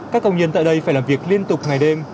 các công nhân tại đây phải làm việc liên tục ngày đêm